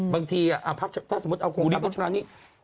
บางทีสมมติเอากรุงพักมาอย่างนี้